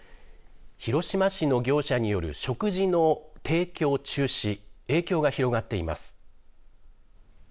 広島市の業者による食事の提供中止影響が広がっています。